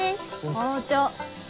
包丁！